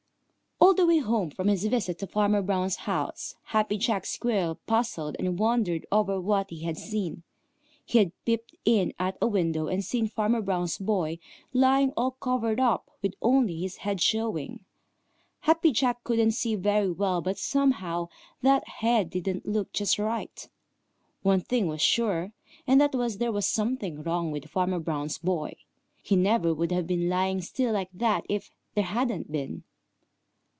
_ All the way home from his visit to Farmer Brown's house Happy Jack Squirrel puzzled and wondered over what he had seen. He had peeped in at a window and seen Farmer Brown's boy lying all covered up, with only his head showing. Happy Jack couldn't see very well, but somehow that head didn't look just right. One thing was sure, and that was there was something wrong with Farmer Brown's boy. He never would have been lying still like that if there hadn't been.